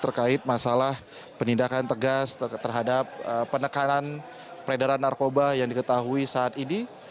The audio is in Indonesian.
terkait masalah penindakan tegas terhadap penekanan peredaran narkoba yang diketahui saat ini